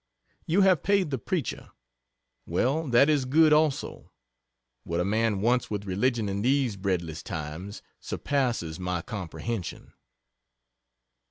You have paid the preacher! Well, that is good, also. What a man wants with religion in these breadless times, surpasses my comprehension.